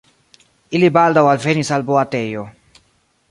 Ili baldaŭ alvenis al boatejo.